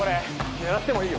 狙ってもいいよ